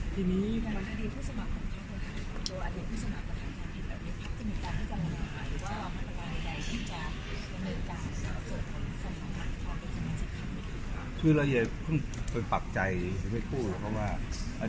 ทีนี้กับอดีตผู้สมัครของผู้สมัคร